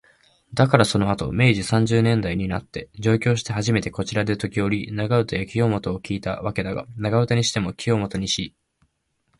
だからその後、明治三十年代になつて、上京して初めてこちらで時折、長唄や清元を聞いた訣だが、長唄にしても、清元にしても、これが所謂上方の江戸唄の系統のものかと驚いた程に、大阪で聞いた江戸唄の印象とは違つてゐた。